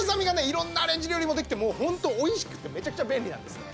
色んなアレンジ料理もできてホント美味しくてめちゃくちゃ便利なんですね。